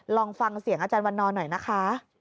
ลองฟังเสียงอาจารย์วันนอนหน่อยนะคะ